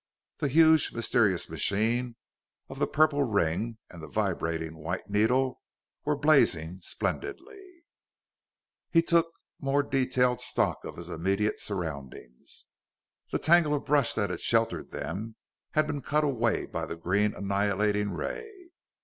The huge, mysterious machine of the purple ring and the vibrating white needle were blazing splendidly. He took more detailed stock of his immediate surroundings. The tangle of brush that had sheltered them had been cut away by the green annihilating ray.